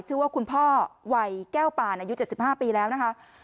ชื่อว่าคุณพ่อวัยแก้วปานอายุ๗๕ปีแล้วนะคะ